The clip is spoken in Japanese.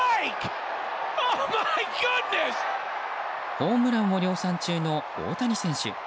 ホームランを量産中の大谷選手。